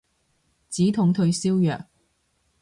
止痛退燒藥